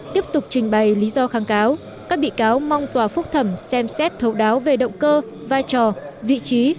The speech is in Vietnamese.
tiếp tục trình bày lý do kháng cáo các bị cáo mong tòa phúc thẩm xem xét thấu đáo về động cơ vai trò vị trí